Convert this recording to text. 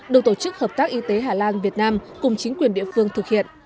được tổ chức hợp tác y tế hà lan việt nam cùng chính quyền địa phương thực hiện